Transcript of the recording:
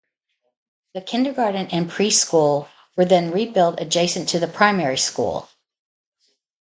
The kindergarten and pre-school were then re-built adjacent to the primary school.